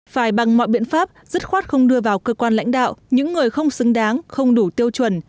phải bằng mọi biện pháp dứt khoát không đưa vào cơ quan lãnh đạo những người không xứng đáng không đủ tiêu chuẩn